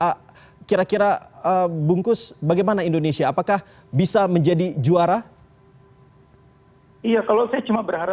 a kira kira bungkus bagaimana indonesia apakah bisa menjadi juara iya kalau saya cuma berharap